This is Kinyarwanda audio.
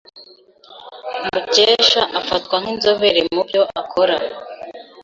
Mukesha afatwa nkinzobere mubyo akora.